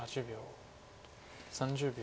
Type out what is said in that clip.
３０秒。